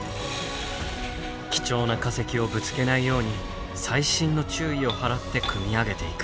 貴重な化石をぶつけないように細心の注意を払って組み上げていく。